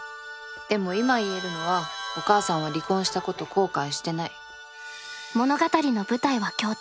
でも今言えるのはお母さんは離婚したこと後悔してない。